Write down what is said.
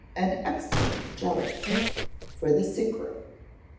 An Excellent Jelly. (_For the Sick room.